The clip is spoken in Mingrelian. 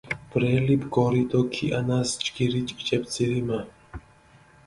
ბრელი ბგორი დო ქიჸანას ჯგირი ჭიჭე ბძირი მა!